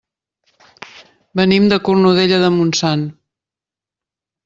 Venim de Cornudella de Montsant.